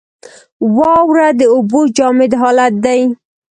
واوره د اوبو جامد حالت دی.